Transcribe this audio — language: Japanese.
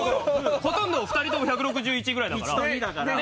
ほとんど２人とも１６１ぐらいだから。